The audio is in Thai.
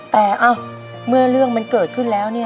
แต่เมื่อเรื่องมันเกิดขึ้นแล้วเนี่ย